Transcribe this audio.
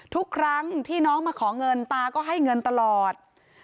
ทุกครั้งที่น้องมาขอเงินตาก็ให้เงินตลอด